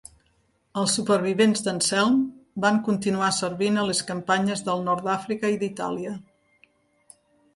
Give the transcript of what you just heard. Els supervivents d'"Anselm" van continuar servint a les campanyes del Nord d'Àfrica i d'Itàlia.